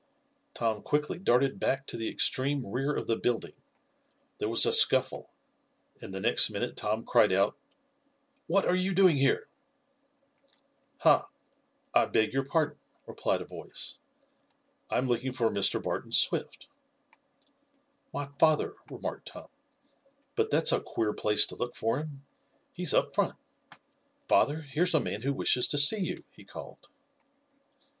Tom quickly darted back to the extreme rear of the building. There was a scuffle, and the next minute Tom cried out: "What are you doing here?" "Ha! I beg your pardon," replied a voice. "I am looking for Mr. Barton Swift." "My father," remarked Tom. "But that's a queer place to look for him. He's up front. Father, here's a man who wishes to see you," he called.